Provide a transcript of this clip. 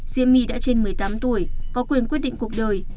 diêm my đã trên một mươi tám tuổi có quyền quyết định cuộc đời